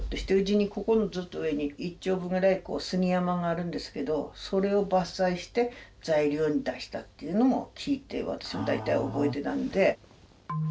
ここのずっと上に１丁分くらい杉山があるんですけどそれを伐採して材料に出したっていうのも聞いて私も大体覚えてたので。